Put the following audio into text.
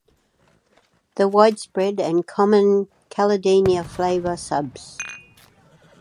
The widespread and common "Caladenia flava" subsp.